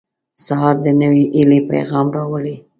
• سهار د نوې هیلې پیغام راوړي.